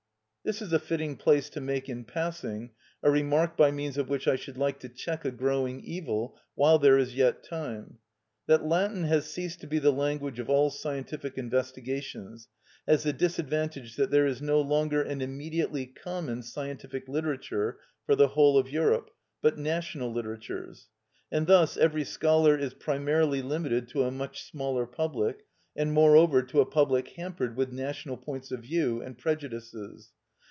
This is a fitting place to make, in passing, a remark by means of which I should like to check a growing evil while there is yet time. That Latin has ceased to be the language of all scientific investigations has the disadvantage that there is no longer an immediately common scientific literature for the whole of Europe, but national literatures. And thus every scholar is primarily limited to a much smaller public, and moreover to a public hampered with national points of view and prejudices.